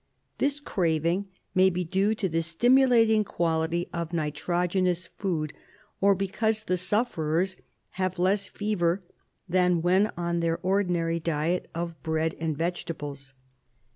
This craving may be due to the stimulating quality of nitrogenous food, or because the sufferers have less fever than when on their ordinary diet of bread and vegetables.